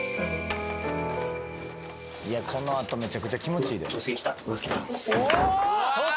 いやこのあとめちゃくちゃ気持ちいいでうわー！